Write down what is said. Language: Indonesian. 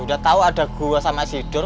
udah tau ada gue sama sidur